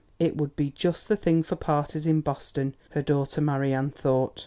"It would be just the thing for parties in Boston," her daughter Marian thought.